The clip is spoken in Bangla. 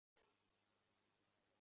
বাড়িটার কোনো অংশই ভেঙে পড়েনি।